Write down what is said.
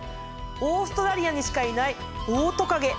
オーストラリアにしかいないオオトカゲ。